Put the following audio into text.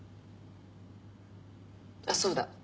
あっそうだ。